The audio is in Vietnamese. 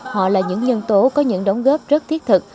họ là những nhân tố có những đóng góp rất thiết thực